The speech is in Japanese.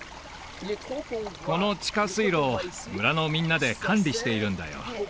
この地下水路を村のみんなで管理しているんだよ